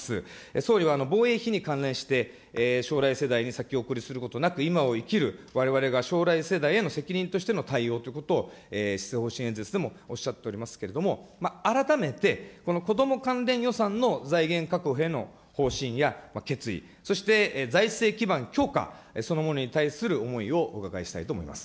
総理は防衛費に関連して、将来世代に先送りすることなく、今を生きるわれわれが将来世代への責任としての対応ということを施政方針演説でもおっしゃっておりますけれども、改めてこのこども関連予算の財源確保への方針や決意、そして財政基盤強化、そのものに対する思いをお伺いしたいと思います。